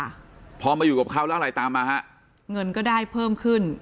ค่ะพอมาอยู่กับเขาแล้วอะไรตามมาฮะเงินก็ได้เพิ่มขึ้น